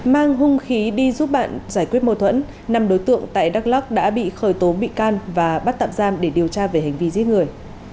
mang hung khí đi giúp bạn giải quyết mâu thuẫn năm đối tượng tại đắk lắc đã bị khởi tố bị can và bắt tạm giam để điều tra về hành vi giết người